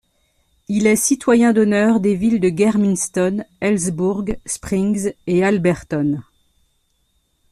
Il est citoyen d'honneur des villes de Germiston, Elsburg, Springs et Alberton.